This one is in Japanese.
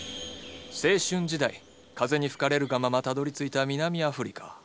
青春時代風に吹かれるがままたどりついた南アフリカ。